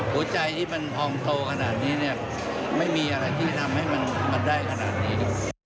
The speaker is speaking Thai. หัวใจที่มันพองโตขนาดนี้เนี่ยไม่มีอะไรที่ทำให้มันได้ขนาดนี้